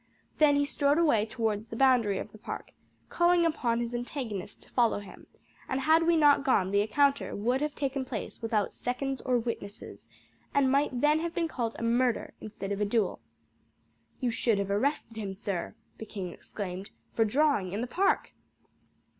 Then he strode away towards the boundary of the park, calling upon his antagonist to follow him; and had we not gone the encounter would have taken place without seconds or witnesses, and might then have been called a murder instead of a duel." "You should have arrested him, sir," the king exclaimed, "for drawing in the park."